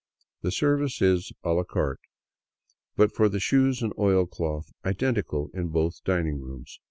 The service is a la carte and, but for the shoes and oilcloth, identical in both dining rooms.